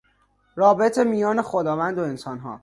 رابط میان خداوند و انسانها